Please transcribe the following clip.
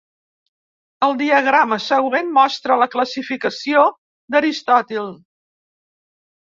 El diagrama següent mostra la classificació d'Aristòtil.